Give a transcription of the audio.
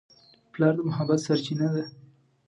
پلار د محبت سرچینه ده.